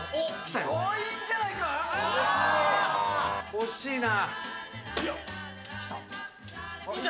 惜しいな。